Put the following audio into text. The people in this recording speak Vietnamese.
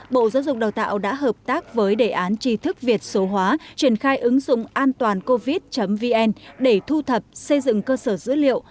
bộ giáo dục đào tạo đã hợp tác với đề án trí thức việt số hóa triển khai ứng dụng an toàn covid vn để thu thập xây dựng cơ sở dữ liệu